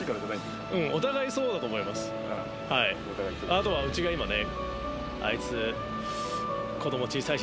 あとはうちが今ね。